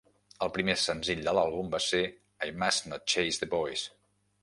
El primer senzill de l'àlbum va ser "I Must Not Chase the Boys".